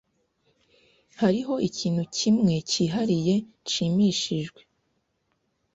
Hariho ikintu kimwe cyihariye nshimishijwe.